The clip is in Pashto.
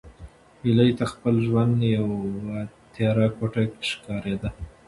هیلې ته خپل ژوند یوه تیاره کوټه ښکارېده.